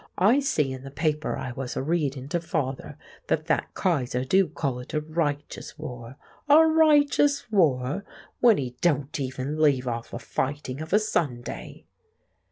I see in the paper I was a readin' to father that that Kayser do call it a righteous war. A righteous war—when he don't even leave off a fighting of a Sunday!"